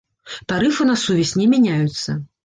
Тарыфы на сувязь не мяняюцца.